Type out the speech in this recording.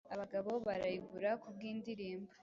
abagabo barayigura kubwindirimbo?